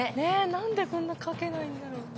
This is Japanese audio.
なんでこんな書けないんだろう。